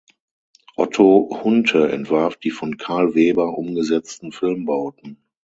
Otto Hunte entwarf die von Karl Weber umgesetzten Filmbauten.